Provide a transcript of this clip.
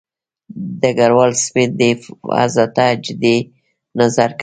ډګروال سمیت دې وضع ته جدي نظر کتل.